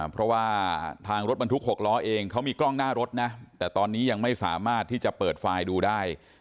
เพราะว่าทางรถบรรทุก๖ล้อเองเขามีกล้องหน้ารถนะแต่ตอนนี้ยังไม่สามารถที่จะเปิดไฟล์ดูได้